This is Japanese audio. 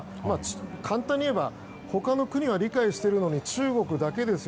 簡単に言えば他の国は理解しているのに中国だけですよ。